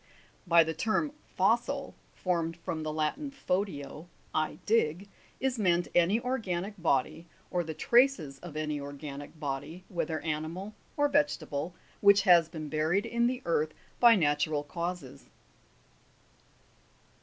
By the term fossil (formed from the Latin, fodio, I dig) is meant any organic body, or the traces of any organic body, whether animal or vegetable, which has been buried in the earth by natural causes.